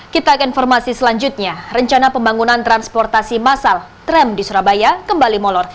kita akan informasi selanjutnya rencana pembangunan transportasi massal tram di surabaya kembali molor